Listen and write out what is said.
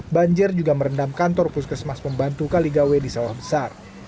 banjir juga merendam kantor puskesmas pembantu kaligawe di sawah besar